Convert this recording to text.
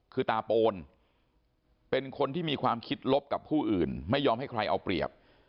คือตาโปนเป็นคนที่มีความคิดลบกับผู้อื่นไม่ยอมให้ใครเอาเปรียบ